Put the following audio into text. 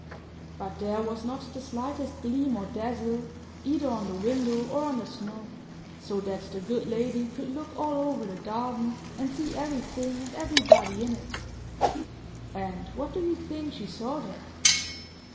But there was not the slightest gleam or dazzle, either on the window or on the snow; so that the good lady could look all over the garden, and see everything and everybody in it. And what do you think she saw there?